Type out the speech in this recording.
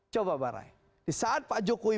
coba barai di saat pak jokowi